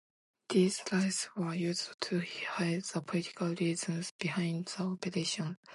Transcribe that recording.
These lies were used to hide the political reasons behind the operations.